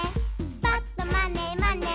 「ぱっとまねまね」